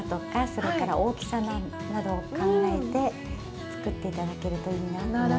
それから大きさなどを考えて作っていただけるといいなと思います。